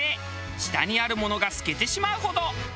下にあるものが透けてしまうほど。